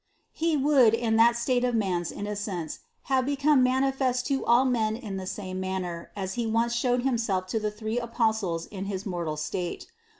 He would, in that state of man's innocence, have become manifest to all men in the same manner as He once showed Himself to the three apostles in his mortal state.